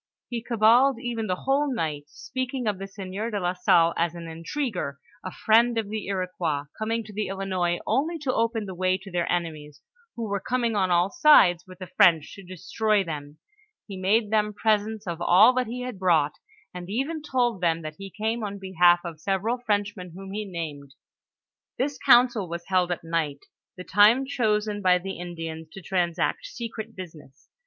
He cabaled even the whole night, speaking of the sieur de la Salle as an intriguer, a friend of the Iroquois, coming to the Ilinois only to open the way to their enemies, who were coming on all sides with the French to destroy them ; he made them presents of all that he had brought, and even told them that he came on behalf of several Fi'enchmen whom he named. This council was held at night, the time chosen by the In dians to transact secret business.